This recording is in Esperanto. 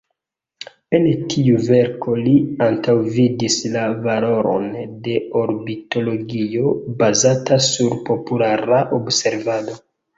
En tiu verko li antaŭvidis la valoron de ornitologio bazata sur populara observado.